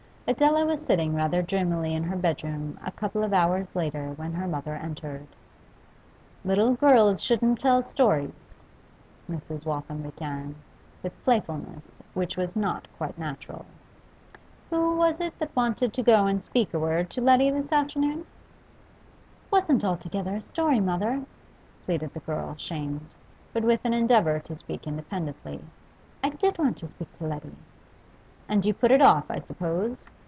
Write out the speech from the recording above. Adela was sitting rather dreamily in her bedroom a couple of hours later when her mother entered. 'Little girls shouldn't tell stories,' Mrs. Waltham began, with playfulness which was not quite natural. 'Who was it that wanted to go and speak a word to Letty this afternoon?' 'It wasn't altogether a story, mother,' pleaded the girl, shamed, but with an endeavour to speak independently. 'I did want to speak to Letty.' 'And you put it off, I suppose?